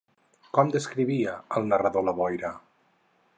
Com descrivia el narrador la boira?